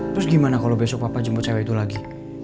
terus gimana kalau besok papa jemput cewek itu lagi